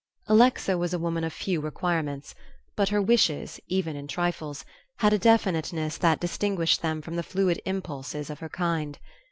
Alexa was a woman of few requirements; but her wishes, even in trifles, had a definiteness that distinguished them from the fluid impulses of her kind.